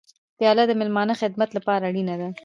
پیاله د میلمانه خدمت لپاره اړینه ده.